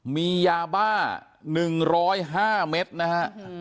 มียาบ้า๑๐๕เมตรนะฮะ